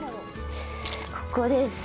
ここです。